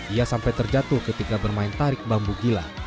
ia sampai terjatuh ketika bermain tarik bambu gila